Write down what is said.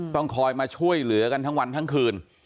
ต้องคอยมาช่วยเหลือกันทั้งวันทั้งคืน